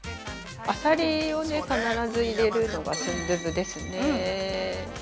◆あさりを必ず入れるのがスンドゥブですね。